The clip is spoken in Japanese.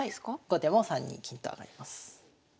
後手も３二金と上がります。